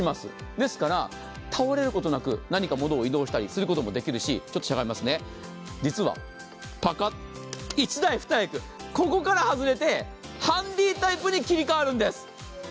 ですから、倒れることなく、何か物を移動したりすることもできるし、実は１台２役、ここから外れて、ハンディタイプに切り替わるんです。